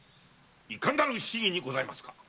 いかなる仕儀にございますか？